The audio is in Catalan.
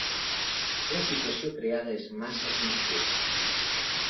La situació creada és massa confusa.